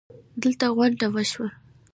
دلته غونډه وشوه